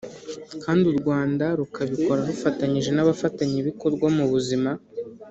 kandi u Rwanda rukabikora rufatanyije n’abafatanyabikorwa mu buzima